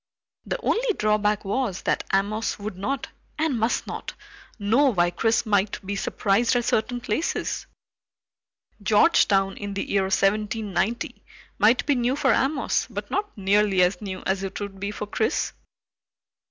The only drawback was that Amos would not, and must not, know why Chris might be surprised at certain places. Georgetown in the year 1790 might be new for Amos, but not nearly as new as it would be for Chris.